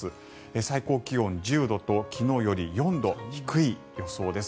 最高気温１０度と昨日より４度低い予想です。